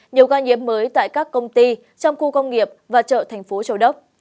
nhiều ca nhiễm mới tại các công ty trong khu công nghiệp và chợ thành phố châu đốc